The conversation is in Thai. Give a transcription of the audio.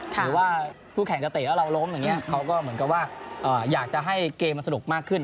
หรือว่าคู่แข่งจะเตะแล้วเราล้มอย่างนี้เขาก็เหมือนกับว่าอยากจะให้เกมมันสนุกมากขึ้น